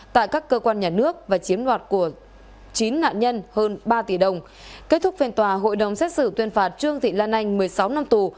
tại các cơ quan nhà nước và chiếm đoạt của chín nạn nhân hơn ba tỷ đồng kết thúc phiên tòa hội đồng xét xử tuyên phạt trương thị lan anh một mươi sáu năm tù